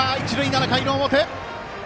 ７回の表。